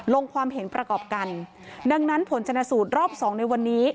ลงความเห็นประกอบกันดังนั้นผลชนะสูตรรอบสองในวันนี้